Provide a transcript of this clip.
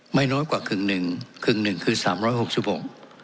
น้อยกว่าครึ่งหนึ่งกึ่งหนึ่งคือสามร้อยหกสิบหก